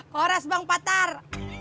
horas bang patar